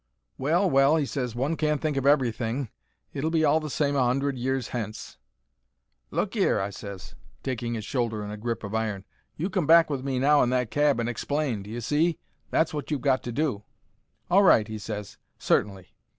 "Well, well," he ses, "one can't think of everything. It'll be all the same a hundred years hence." "Look 'ere," I ses, taking 'is shoulder in a grip of iron. "You come back with me now in that cab and explain. D'ye see? That's wot you've got to do." "All right," he ses; "certainly.